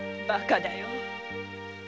バカだよ。